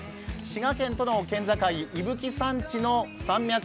滋賀県との県境、伊吹山地の山脈。